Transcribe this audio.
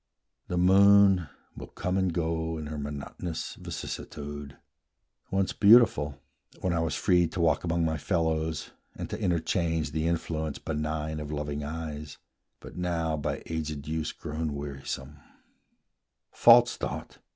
The moon will come and go With her monotonous vicissitude; Once beautiful, when I was free to walk Among my fellows, and to interchange The influence benign of loving eyes, But now by aged use grown wearisome; False thought!